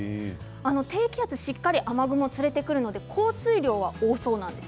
低気圧しっかり雨雲、連れてくるので降水量が多そうです。